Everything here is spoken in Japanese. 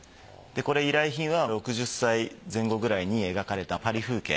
これ依頼品は６０歳前後くらいに描かれたパリ風景。